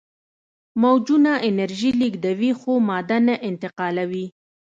موجونه انرژي لیږدوي خو ماده نه انتقالوي.